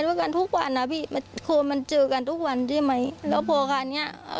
ด้วยกันทุกวันนะพี่ควรมันเจอกันทุกวันใช่ไหมแล้วพ่อกันเนี่ย